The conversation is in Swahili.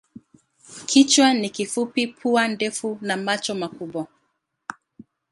Kichwa ni kifupi, pua ndefu na macho makubwa.